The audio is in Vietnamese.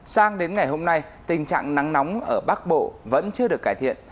sang đến ngày hôm nay tình trạng nắng nóng ở bắc bộ vẫn chưa được cải thiện